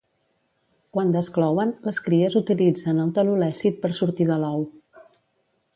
Quan desclouen, les cries utilitzen el telolècit per sortir de l'ou.